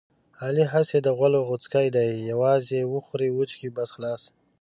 علي هسې د غولو غوڅکی دی یووازې وخوري وچکي بس خلاص.